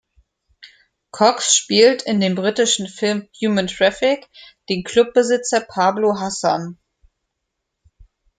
Cox spielt in dem britischen Film Human Traffic den Clubbesitzer Pablo Hassan.